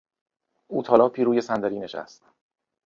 او تالاپی روی صندلی نشست.